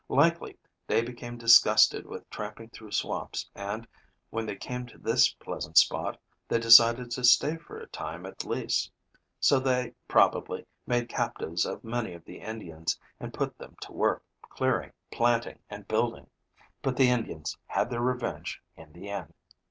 Likely they became disgusted with tramping through swamps, and, when they came to this pleasant spot, they decided to stay for a time at least. So they, probably, made captives of many of the Indians, and put them to work, clearing, planting and building. But the Indians had their revenge in the end."